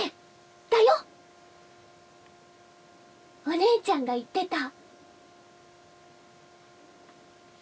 「お姉ちゃんが言ってた」